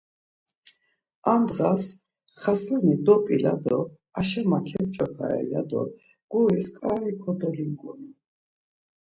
Ar ndğas, Xasani dop̌ila do Aşe ma kep̌ç̌opare ya do guris ǩai kodolingonu.